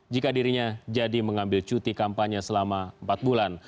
jika dirinya jadi mengambil cuti kampanye selama empat bulan